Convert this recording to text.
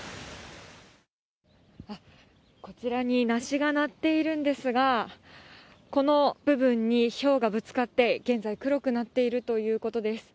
こちらになしがなっているんですが、この部分にひょうがぶつかって、現在、黒くなっているということです。